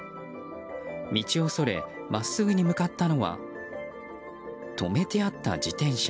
道をそれ真っすぐに向かったのは止めてあった自転車。